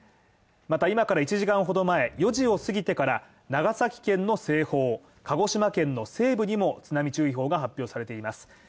また今から１時間ほど前、４時を過ぎてから長崎県、鹿児島県の西部にも津波注意報が発表されています